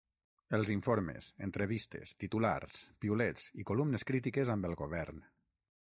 Els informes, entrevistes, titulars, piulets i columnes crítiques amb el govern.